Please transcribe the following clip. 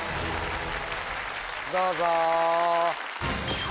どうぞ。